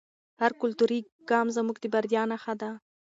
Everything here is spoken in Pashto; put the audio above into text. هر کلتوري ګام زموږ د بریا نښه ده.